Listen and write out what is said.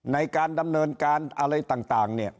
ในการดำเนินการอะไรต่างเนี่ย